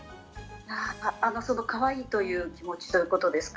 かわいいという気持ちということですか？